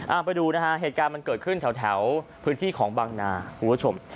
เอาไปดูนะฮะเหตุการณ์มันเกิดขึ้นแถวแถวพื้นที่ของบางนาคุณผู้ชม